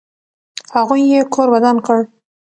هغوی یې کور ودان کړ.